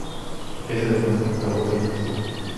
Es además portavoz del partido.